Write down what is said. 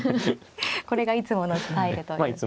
これがいつものスタイルという。